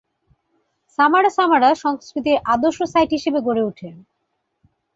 সামারা সামারা সংস্কৃতির আদর্শ সাইট হিসেবে গড়ে ওঠে।